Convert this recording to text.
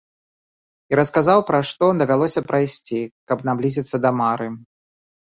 І расказаў, праз што давялося прайсці, каб наблізіцца да мары.